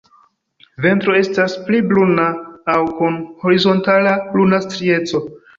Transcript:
Ventro estas pli bruna aŭ kun horizontala bruna strieco.